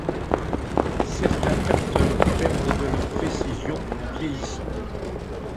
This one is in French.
Certains capteurs perdent de leur précision en vieillissant.